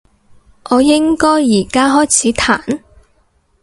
我應該而家開始彈？